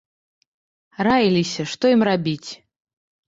Раіліся, што ім рабіць.